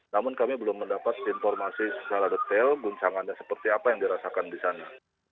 namun kami belum mendapat informasi secara detail guncangannya seperti apa yang dirasakan di sana